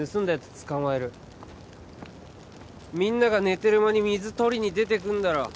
捕まえるみんなが寝てる間に水とりに出てくんだろ